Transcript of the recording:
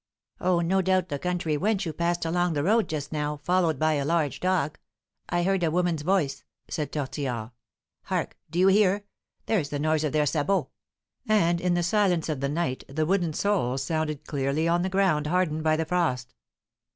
"Oh, no doubt, the country wench who passed along the road just now, followed by a large dog. I heard a woman's voice," said Tortillard. "Hark! do you hear? There's the noise of their sabots," and, in the silence of the night, the wooden soles sounded clearly on the ground hardened by the frost.